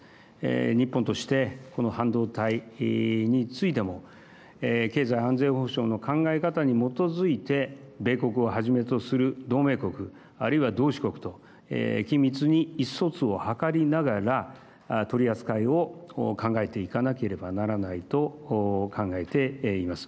日本として、この半導体についても経済安全保障の考え方に基づいて米国を初めとする同盟国あるいは同志国と緊密に意思疎通を図りながら取り扱いを考えていかなければならないと考えています。